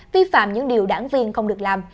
vi phạm những điều đảng viên không được làm